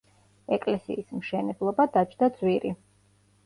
ეკლესიის მშენებლობა დაჯდა ძვირი.